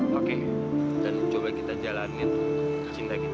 sekarang ya aku balik balik masih ingatan